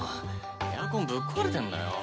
エアコンぶっ壊れてんだよ。